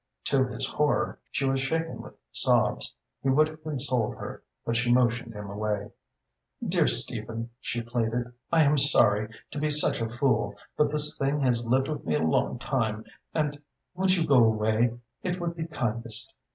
To his horror she was shaken with sobs. He would have consoled her, but she motioned him away. "Dear Stephen," she pleaded, "I am sorry to be such a fool but this thing has lived with me a long time, and would you go away? It would be kindest."